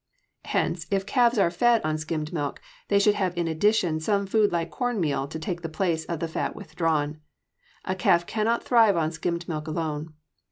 Hence, if calves are fed on skimmed milk, they should have in addition some food like corn meal to take the place of the fat withdrawn. A calf cannot thrive on skimmed milk alone.